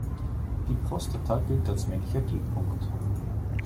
Die Prostata gilt als männlicher G-Punkt.